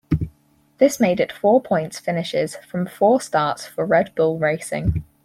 This made it four points finishes from four starts for Red Bull Racing.